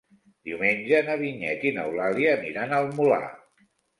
Diumenge na Vinyet i n'Eulàlia aniran al Molar.